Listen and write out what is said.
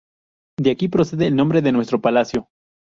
De aquí procede el nombre de nuestro palacio.